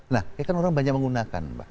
nah ya kan orang banyak menggunakan mbak